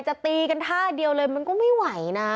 ตีกันท่าเดียวเลยมันก็ไม่ไหวนะ